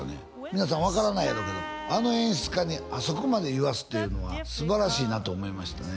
皆さん分からないやろけどあの演出家にあそこまで言わすっていうのは素晴らしいなと思いましたね